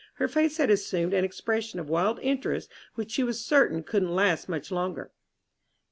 Her face had assumed an expression of wild interest which she was certain couldn't last much longer.